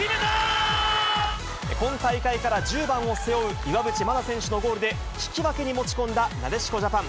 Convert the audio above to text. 今大会から１０番を背負う、岩渕真奈選手のゴールで引き分けに持ち込んだなでしこジャパン。